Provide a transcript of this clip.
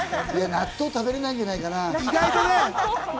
納豆食べれないんじゃないかな。